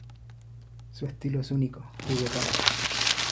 Su estilo es único, juguetón.